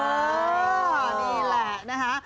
นี่แหละนะคะ